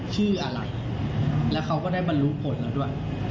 ชื่ออะไรแล้วเขาก็ได้บรรลุผลเราด้วย